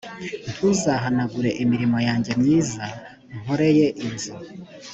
ntuzahanagure imirimo yanjye myiza nkoreye inzu